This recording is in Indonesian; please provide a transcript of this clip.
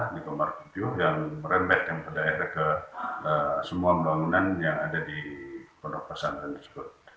di kamar tujuh yang merambat yang berdaerah ke semua bangunan yang ada di pondok pesantren tersebut